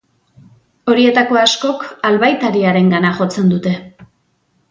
Horietako askok albaitariarengana jotzen dute.